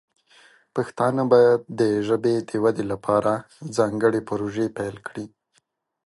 پښتانه باید د ژبې د ودې لپاره ځانګړې پروژې پیل کړي.